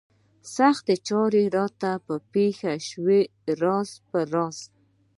سختې چارې راته پېښې شوې راز په راز.